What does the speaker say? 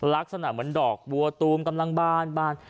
ลักษณะเหมือนดอกบัวตูมกำลังบาน